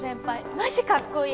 マジかっこいい。